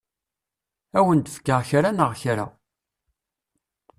Ad awen-d-fkeɣ kra neɣ kra.